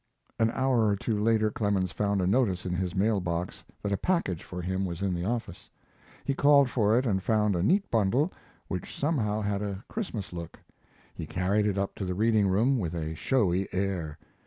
An hour or two later Clemens found a notice in his mail box that a package for him was in the office. He called for it and found a neat bundle, which somehow had a Christmas look. He carried it up to the reading room with a showy, air.